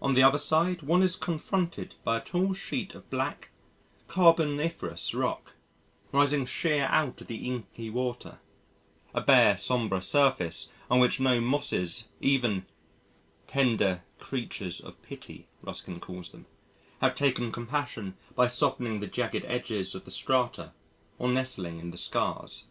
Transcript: On the other side one is confronted by a tall sheet of black, carboniferous rock, rising sheer out of the inky water a bare sombre surface on which no mosses even "tender creatures of pity," Ruskin calls them have taken compassion by softening the jagged edges of the strata or nestling in the scars.